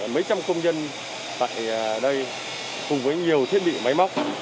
mấy trăm công nhân tại đây cùng với nhiều thiết bị máy móc